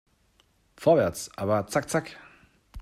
Vorwärts, aber zack zack!